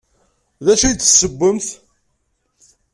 D acu ay d-tessewwemt?